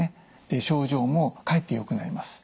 で症状もかえってよくなります。